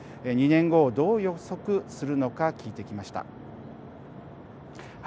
２年後をどう予測するのか聞いてきました。